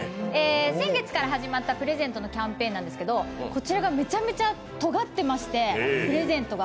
先月から始まったプレゼントのキャンペーンなんですけどこちらがめちゃめちゃとがってまして、プレゼントが。